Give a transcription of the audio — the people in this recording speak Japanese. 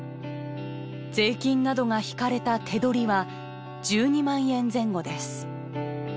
税金などが引かれた手取りは１２万円前後です。